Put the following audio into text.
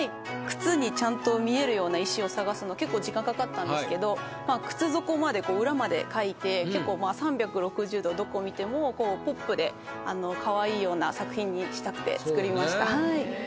靴にちゃんと見えるような石を探すの結構時間かかったんですけど靴底まで裏まで描いて結構３６０度どこ見てもポップで可愛いような作品にしたくて作りました。